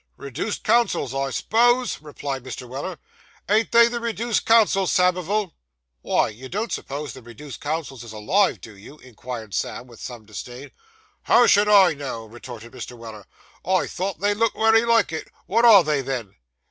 'Reduced counsels, I s'pose,' replied Mr. Weller. 'Ain't they the reduced counsels, Samivel?' 'Wy, you don't suppose the reduced counsels is alive, do you?' inquired Sam, with some disdain. 'How should I know?' retorted Mr. Weller; 'I thought they looked wery like it. Wot are they, then?